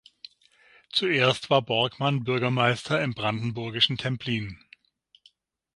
Zuerst war Borgmann Bürgermeister im brandenburgischen Templin.